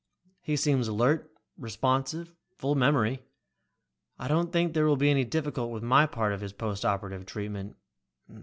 "He seems alert, responsive, full memory. I don't think there will be any difficulty with my part of his post operative treatment.